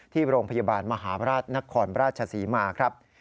ที่โรงพยาบาลมหาราชนครราชศรีมาครับ